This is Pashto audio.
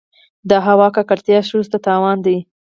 د هوا ککړتیا سږو ته تاوان دی.